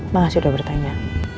makasih udah bertanya